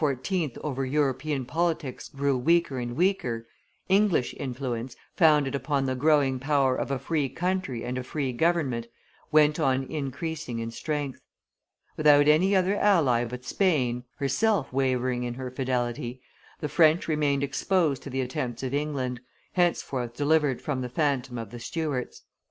over European politics grew weaker and weaker, English influence, founded upon the growing power of a free country and a free government, went on increasing in strength. Without any other ally but Spain, herself wavering in her fidelity, the French remained exposed to the attempts of England, henceforth delivered from the phantom of the Stuarts.